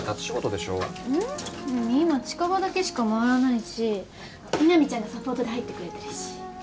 今近場だけしか回らないし南ちゃんがサポートで入ってくれてるし。